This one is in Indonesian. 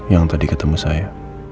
yang tadi ketemu saya